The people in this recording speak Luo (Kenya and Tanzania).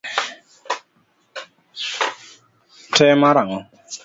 Te mar ang'o?